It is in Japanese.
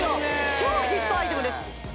超ヒットアイテムです